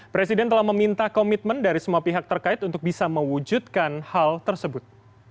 presiden telah meminta komitmen dari semua pihak terkait untuk bisa mewujudkan hal tersebut